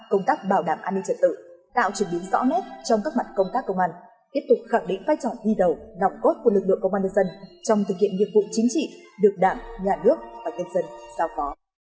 công tác bảo đảm an ninh trật tự tạo chuyển biến rõ nét trong các mặt công tác công an tiếp tục khẳng định vai trò đi đầu nòng cốt của lực lượng công an nhân dân trong thực hiện nhiệm vụ chính trị được đảng nhà nước và nhân dân giao phó